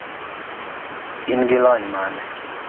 in gi lony mane?